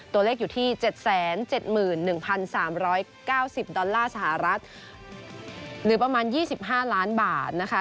ตัวเลขอยู่ที่๗๗๑๓๙๐ดอลลาร์สหรัฐหรือประมาณ๒๕ล้านบาทนะคะ